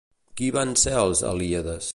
Qui van ser els Helíades?